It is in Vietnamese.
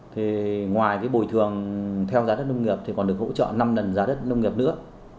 thì ngoài cái bồi thường theo giá đất nông nghiệp thì còn được hỗ trợ năm lần giá đất nông nghiệp nữa